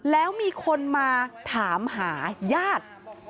แล้วมีคนมาถามหาญาติ